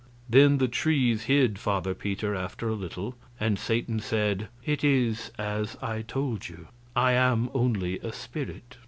Then the trees hid Father Peter after a little, and Satan said: "It is as I told you I am only a spirit."